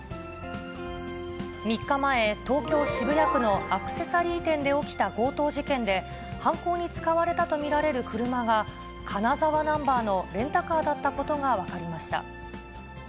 ３日前、東京・渋谷区のアクセサリー店で起きた強盗事件で、犯行に使われたと見られる車が、金沢ナンバーのレンタカーだったことが分かりました。